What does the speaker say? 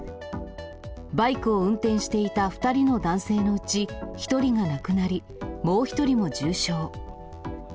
バイクを運転していた２人の男性のうち、１人が亡くなり、もう１人も重傷。